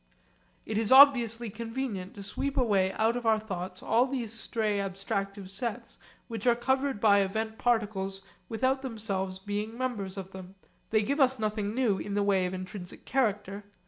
It is obviously convenient to sweep away out of our thoughts all these stray abstractive sets which are covered by event particles without themselves being members of them. They give us nothing new in the way of intrinsic character.